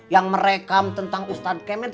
yang merekam tentang ustadz kemen